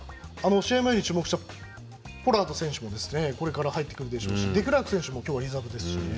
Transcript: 試合前に注目したポラード選手もこれから入ってくるでしょうしデクラーク選手も今日、リザーブですし。